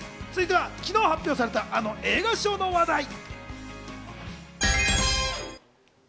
続いては昨日発表されたあの映画賞の話題。